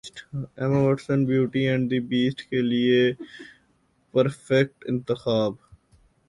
Emma Watson beauty and the beast کے لیے perfect انتخاب